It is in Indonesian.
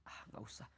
ah gak usah